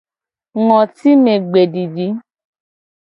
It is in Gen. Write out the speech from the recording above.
Ngotimegbedidi.